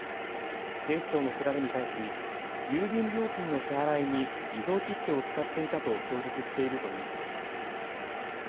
警視庁の調べに対し郵便料金の支払いに偽造切手を使っていたと供述しているということです。